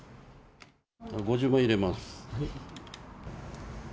５０万入れます。